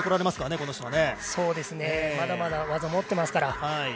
まだまだ技、持ってますから。